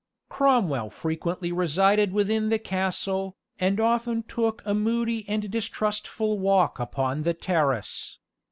Cromwell frequently resided within the castle, and often took a moody and distrustful walk upon the terrace.